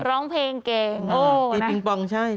ร้องเพลงเก่งโอ้มีปิงปองใช่